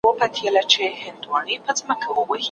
تر پایه به ټول خلک خبر سوي وي.